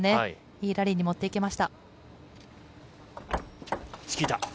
いいラリーに持っていきました。